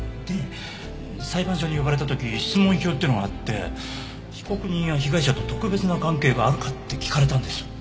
で裁判所に呼ばれた時質問票っていうのがあって被告人や被害者と特別な関係があるかって聞かれたんです。